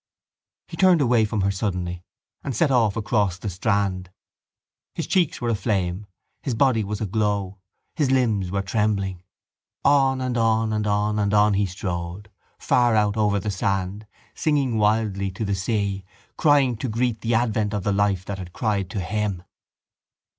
He turned away from her suddenly and set off across the strand. His cheeks were aflame; his body was aglow; his limbs were trembling. On and on and on and on he strode, far out over the sands, singing wildly to the sea, crying to greet the advent of the life that had cried to him.